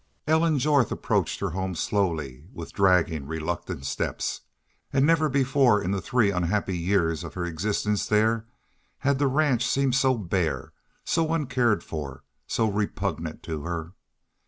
Ellen Jorth approached her home slowly, with dragging, reluctant steps; and never before in the three unhappy years of her existence there had the ranch seemed so bare, so uncared for, so repugnant to her.